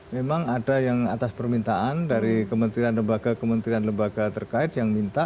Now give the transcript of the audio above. memang ada yang atas permintaan dari kementerian lembaga kementerian lembaga terkait yang minta